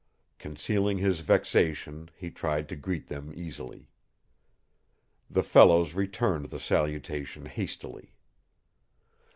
Concealing his vexation, he tried to greet them easily. The fellows returned the salutation hastily.